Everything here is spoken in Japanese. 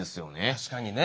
確かにね。